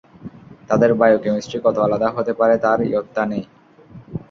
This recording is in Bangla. তাদের বায়োকেমিস্ট্রি কত আলাদা হতে পারে তার ইয়ত্তা নেই।